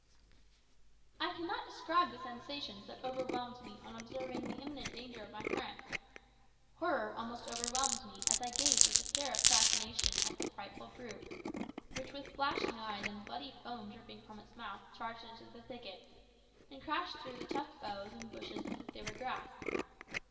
I cannot describe the sensations that overwhelmed me on observing the imminent danger of my friend. Horror almost overwhelmed me as I gazed with a stare of fascination at the frightful brute, which with flashing eyes and bloody foam dripping from its mouth charged into the thicket, and crashed through the tough boughs and bushes as if they were grass.